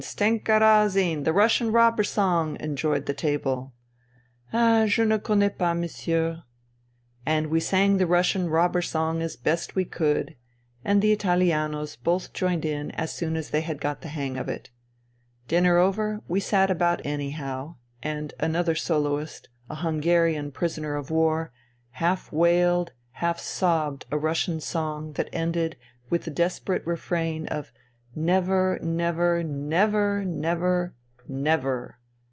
Stenka Razin ! The Russian robber song," enjoined the table. " Ah ! je ne connais pas, messieurs,'' And we sang the Russian robber song as best we could, and the Italianos both joined in as soon as they had got the hang of it. Dinner over, we sat about anyhow, and another soloist, a Hungarian prisoner of war, half wailed, half sobbed a Russian song that ended with the desperate refrain of " Never, never, never, never ... never.